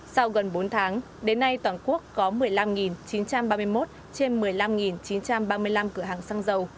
sau gần bốn tháng đến nay toàn quốc có một mươi năm chín trăm ba mươi một trên một mươi năm chín trăm ba mươi năm cửa hàng xăng dầu